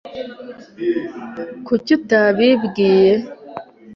Kuki utabibwiye ?